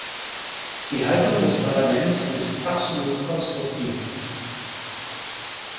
Die Haltung des Parlaments ist also absolut konstruktiv.